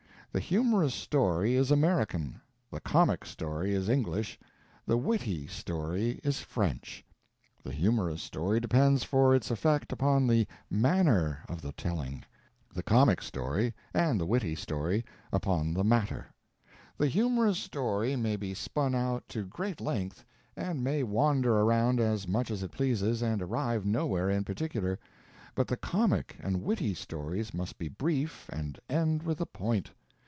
The humorous story is American, the comic story is English, the witty story is French. The humorous story depends for its effect upon the _manner _of the telling; the comic story and the witty story upon the matter. The humorous story may be spun out to great length, and may wander around as much as it pleases, and arrive nowhere in particular; but the comic and witty stories must be brief and end with a point.